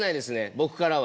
僕からは。